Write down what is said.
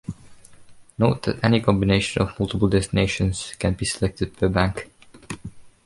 Note that any combination of multiple destinations can be selected per bank.